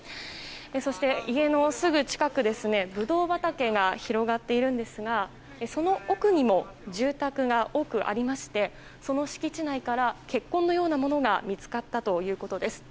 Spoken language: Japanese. そして、家のすぐ近くブドウ畑が広がっているんですがその奥にも住宅が多くありましてその敷地内から血痕のようなものが見つかったということです。